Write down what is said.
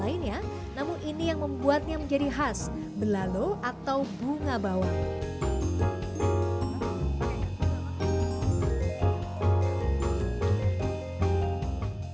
lainnya namun ini yang membuatnya menjadi khas belalo atau bunga bawang